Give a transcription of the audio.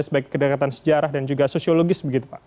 sebaik kedekatan sejarah dan juga sosiologis